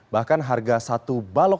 bahkan harga satu balok